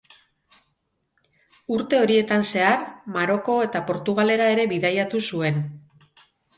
Urte horietan zehar, Maroko eta Portugalera ere bidaiatu zuen.